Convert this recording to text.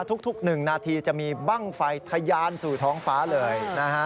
ทุกหนึ่งนาทีจะมีบ้างไฟทะยานสู่ท้องฟ้าเลย